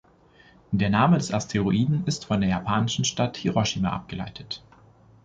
Der Name des Asteroiden ist von der japanischen Stadt Hiroshima abgeleitet.